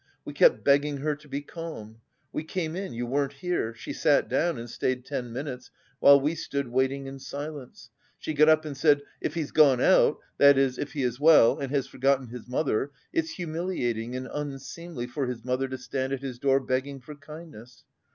We kept begging her to be calm. We came in, you weren't here; she sat down, and stayed ten minutes, while we stood waiting in silence. She got up and said: 'If he's gone out, that is, if he is well, and has forgotten his mother, it's humiliating and unseemly for his mother to stand at his door begging for kindness.